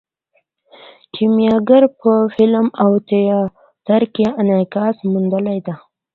کیمیاګر په فلم او تیاتر کې انعکاس موندلی دی.